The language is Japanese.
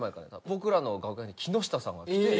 僕らの楽屋に木下さんが来て。